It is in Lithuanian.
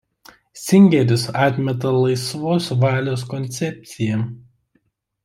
Singeris atmeta laisvos valios koncepciją.